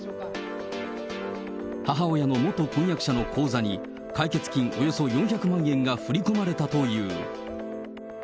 母親の元婚約者の口座に、解決金およそ４００万円が振り込まれたという。